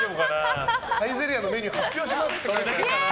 サイゼリヤのメニュー発表しますって。